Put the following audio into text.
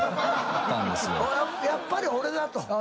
やっぱり俺だと。